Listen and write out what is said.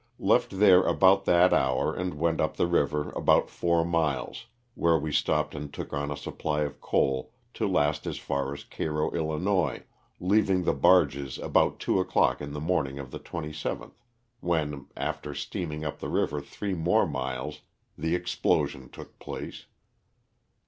Left there about that hour and went up the river about four miles, where we stopped and took on a supply of coal to last as far as Cairo, 111., leaving the barges about two o'clock in the morning of the 27th, when, after steam ing up the river three more miles, the explosion took place.